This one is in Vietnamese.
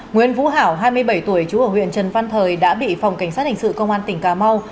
nguyễn vũ hảo hai mươi bảy tuổi chú ở huyện trần văn thời đã bị phòng cảnh sát hình sự công an tỉnh cà mau